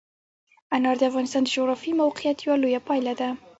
انار د افغانستان د جغرافیایي موقیعت یوه لویه پایله ده.